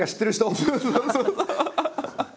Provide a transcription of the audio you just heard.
ハハハハ！